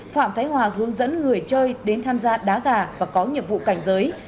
phạm thái hòa hướng dẫn người chơi đến tham gia đá gà và có nhiệm vụ cảnh giới